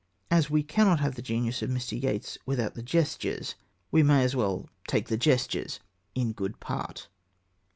As we cannot have the genius of Mr. Yeats without the gestures, we may as well take the gestures in good part.